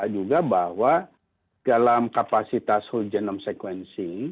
juga bahwa dalam kapasitas whole genome sequencing